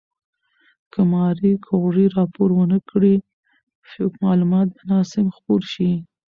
که ماري کوري راپور ونکړي، معلومات به ناسم خپور شي.